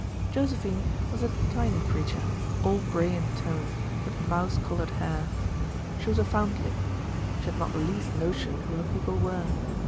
Josephine was a tiny creature, all grey in tone, with mouse colored hair. She was a foundling. She had not the least notion who her people were.